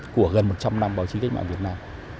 của gần một trăm linh năm báo chí cách mạng việt nam